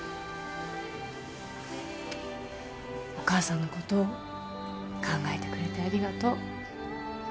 お母さんのこと考えてくれてありがとう。